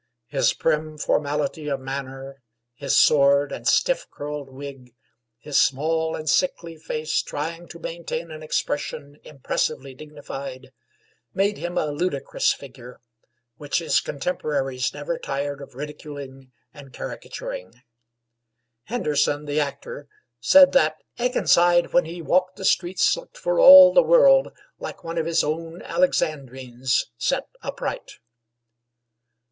His prim formality of manner, his sword and stiff curled wig, his small and sickly face trying to maintain an expression impressively dignified, made him a ludicrous figure, which his contemporaries never tired of ridiculing and caricaturing. Henderson, the actor, said that "Akenside, when he walked the streets, looked for all the world like one of his own Alexandrines set upright."